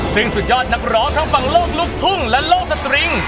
ซึ่งสุดยอดนักร้องทั้งฝั่งโลกลูกทุ่งและโลกสตริง